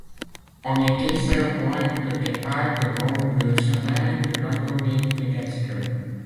En été, c'est le point de départ de nombreux chemins de randonnée pédestre.